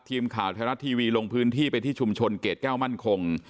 ทีมข่าวไทยรัฐทีวีลงพื้นที่ไปที่ชุมชนเกรดแก้วมั่นคง